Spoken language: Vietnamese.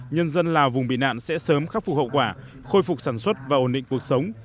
nhân dân lào vùng bị nạn sẽ sớm khắc phục hậu quả khôi phục sản xuất và ổn định cuộc sống